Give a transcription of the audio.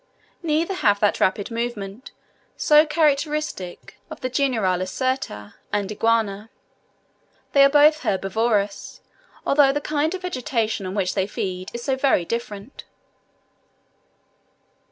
Neither have that rapid movement, so characteristic of the genera Lacerta and Iguana. They are both herbivorous, although the kind of vegetation on which they feed is so very different.